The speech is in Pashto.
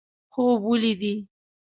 خوب ولیدي.